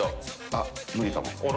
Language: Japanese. あっ無理かも。